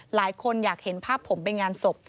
หลายคนอยากเห็นภาพผมไปงานศพ